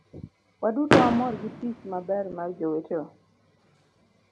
waduto wamor gi tich maber mar jowetewa